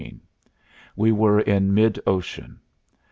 We were in mid ocean.